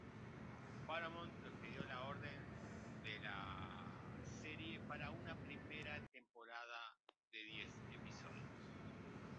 Paramount pidió la orden de la serie para una primera temporada de diez episodios.